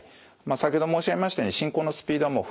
先ほど申し上げましたように進行のスピードはもう分単位です。